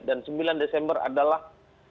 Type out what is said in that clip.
dan sembilan desember adalah